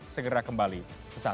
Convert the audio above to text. segera kembali sesat